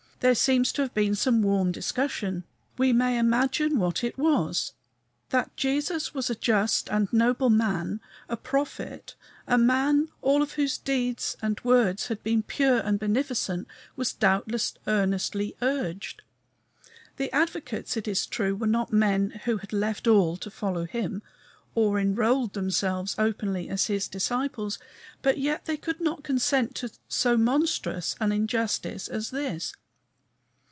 There seems to have been some warm discussion. We may imagine what it was: that Jesus was a just and noble man, a prophet, a man all of whose deeds and words had been pure and beneficent, was doubtless earnestly urged. The advocates, it is true, were not men who had left all to follow him, or enrolled themselves openly as his disciples, but yet they could not consent to so monstrous an injustice as this.